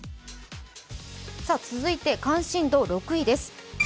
続いて関心度６位です。